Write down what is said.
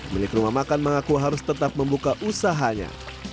milik rumah makan mengaku harus tetap membuka usahanya